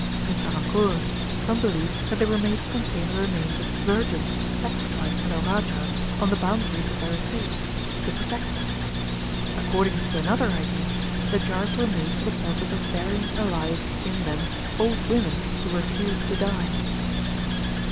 In Travancore, some believe that they were made to contain the remains of virgins sacrificed by the Rajas on the boundaries of their estates, to protect them. According to another idea, the jars were made for the purpose of burying alive in them old women who refused to die.